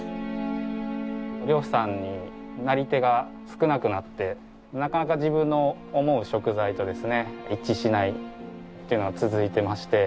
漁師さんになり手が少なくなってなかなか自分の思う食材とですね一致しないっていうのが続いてまして。